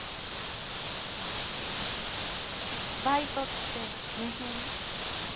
ああバイトって女豹の？